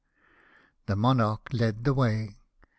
The Monarch led the way.